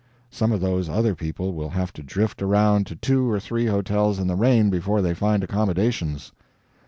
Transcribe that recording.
Some of those other people will have to drift around to two or three hotels, in the rain, before they find accommodations.